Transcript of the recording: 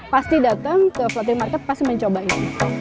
pasti datang ke bandung pasti mencobanya